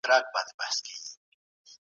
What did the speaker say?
بې له پلانه اقتصادي پرمختيا شونې نه ده.